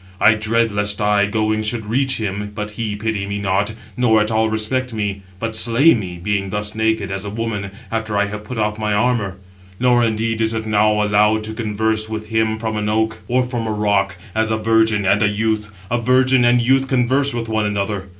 [I dread] lest I, going, should reach him, but he pity me not, nor at all respect me, but slay me, being thus naked, as a woman, after I have put off my armour. Nor, indeed, is it now allowed to converse with him from an oak, or from a rock, as a virgin and a youth; a virgin and youth converse with one another.